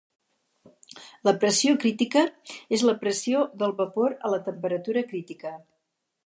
La pressió crítica és la pressió del vapor a la temperatura crítica.